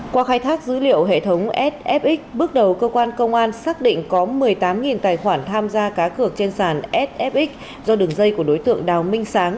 qua khai thác dữ liệu hệ thống sfxx bước đầu cơ quan công an xác định có một mươi tám tài khoản tham gia cá cược trên sàn sfxx do đường dây của đối tượng đào minh sáng